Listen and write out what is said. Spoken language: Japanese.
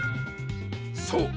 そう！